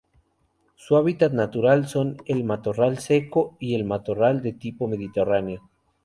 Su hábitat natural son el matorral seco y el matorral de tipo mediterráneo.